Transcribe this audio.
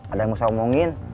ada yang usah omongin